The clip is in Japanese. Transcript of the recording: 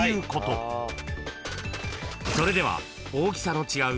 ［それでは大きさの違う